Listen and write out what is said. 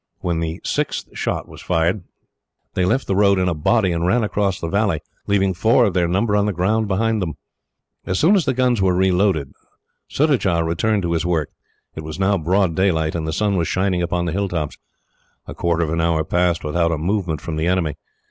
When the sixth shot was fired, they left the road in a body, and ran across the valley, leaving four of their number on the ground behind them. As soon as the guns were reloaded, Surajah returned to his work. It was now broad daylight, and the sun was shining upon the hilltops. A quarter of an hour passed, without a movement from the enemy.